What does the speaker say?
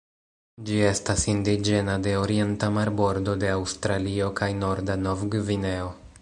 Ĝi estas indiĝena de orienta marbordo de Aŭstralio kaj norda Nov-Gvineo.